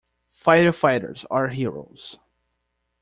Firefighters are heroes.